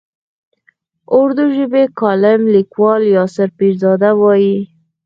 اردو ژبی کالم لیکوال یاسر پیرزاده وايي.